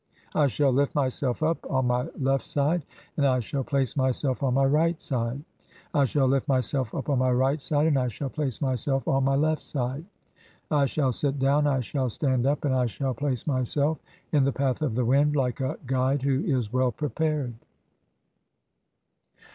I shall lift myself up on my left "side, and I shall place myself on my right side ; (15) I shall "lift myself up on my right side, and I shall place myself [on "my left side]. I shall sit down, I shall stand up, and I shall "place myself in [the path of] the wind (16) like a guide who "is well prepared."